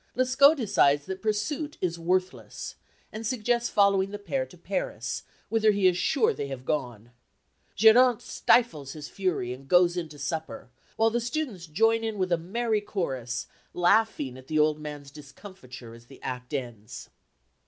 Lescaut decides that pursuit is worthless, and suggests following the pair to Paris, whither he is sure they have gone. Geronte stifles his fury and goes in to supper, while the students join in with a merry chorus, laughing at the old man's discomfiture as the act ends.